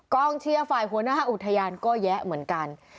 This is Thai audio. กองเชียร์ฝ่ายหัวหน้าอุทยานก็แยะเหมือนกัน